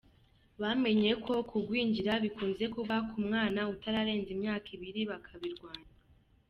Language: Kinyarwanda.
Bamenye ko kugwingira bikunze kuba ku mwana utararenza imyaka ibiri, bakabirwanya.